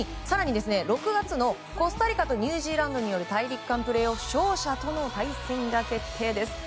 更に６月の、コスタリカとニュージーランドによる大陸間プレーオフ勝者との対戦が決定。